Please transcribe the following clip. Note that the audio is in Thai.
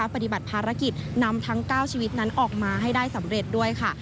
ปฏิบัติภารกิจนำทั้ง๙ชีวิตนั้นออกมาให้ได้สำเร็จด้วยค่ะ